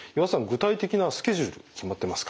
具体的なスケジュール決まってますか？